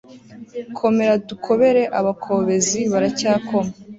komera dukobere abakobezi baracyakoma